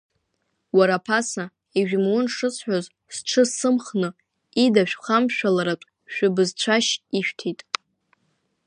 Уара аԥаса ижәымун шысҳәоз, сҽы сымхны, ида шәхамшәалартә шәыбзыцәашь ишәҭеит.